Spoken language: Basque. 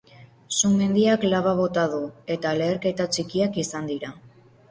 Sumendiak laba bota du, eta leherketa txikiak izan dira.